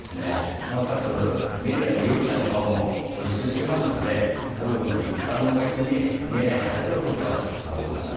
なおかつ、メディアで容疑者の顔も露出していますのでたぶん一般のお客に見えない形をとったのだと思います。